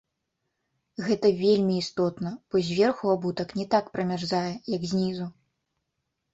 Гэта вельмі істотна, бо зверху абутак не так прамярзае, як знізу.